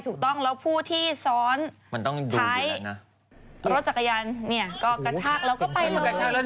ถูกต้องแล้วผู้ที่ซ้อนมันต้องใช้รถจักรยานเนี่ยก็กระชากแล้วก็ไปเลย